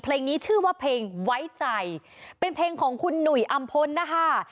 เพลงนี้ชื่อว่าเพลงไว้ใจเป็นเพลงของคุณหนุ่ยอำพลนะคะ